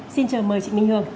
xin chào mời chị minh hương